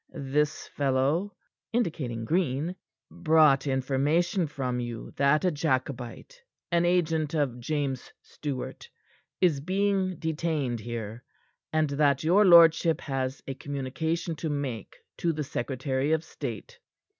This fellow," indicating Green, "brought information from you that a Jacobite an agent of James Stuart is being detained here, and that your lordship has a communication to make to the secretary of state."